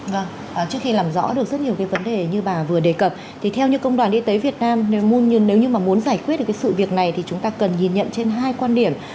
vâng trước khi làm rõ được rất nhiều cái vấn đề như bà vừa đề cập thì theo như công đoàn y tế việt nam nếu như mà muốn giải quyết được cái sự việc này thì chúng ta cần nhìn nhận trên hai quan điểm